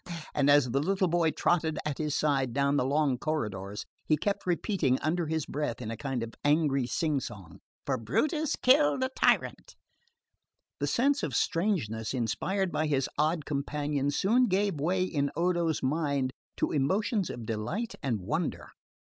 And as the little boy trotted at his side down the long corridors he kept repeating under his breath in a kind of angry sing song, "For Brutus killed a tyrant." The sense of strangeness inspired by his odd companion soon gave way in Odo's mind to emotions of delight and wonder.